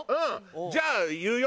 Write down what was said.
じゃあ言うよ。